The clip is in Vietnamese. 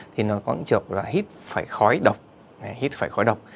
thì nó có những trường hợp là hít phải khói độc hít phải khói độc